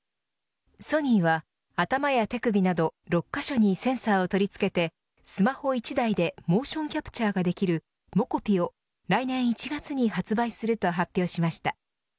ソニーは頭や手首など６カ所にセンサーを取り付けてスマホ１台でモーションキャプチャーができるｍｏｃｏｐｉを来年１月に発売すると発表しました。